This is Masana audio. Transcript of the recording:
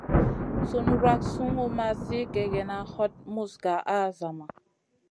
Sùn wrak sungu ma sli kègèna, hot muz gaʼa a zama.